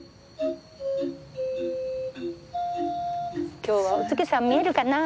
今日はお月さん見えるかなあ？